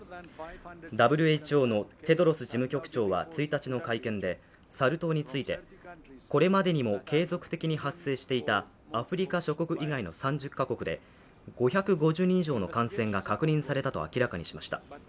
ＷＨＯのテドロス事務局長は１日の会見で、サル痘について、これまでにも継続的に発生していたアフリカ諸国以外の３０カ国で５５０人以上の感染が確認されたと明らかにしました。